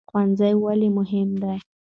ښوونځی ولې مهم دی؟